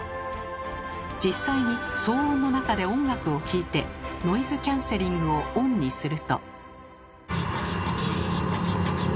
実際に騒音の中で音楽を聴いてノイズキャンセリングをＯＮにすると。